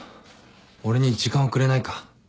俺に時間をくれないか？